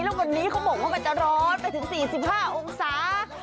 แล้ววันนี้เขาบอกว่ามันจะร้อนไปถึง๔๕องศา